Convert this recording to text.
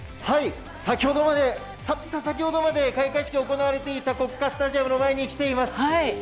たった先ほどまで開会式が行われていた国家スタジアムの前に来ています。